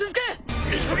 急げ！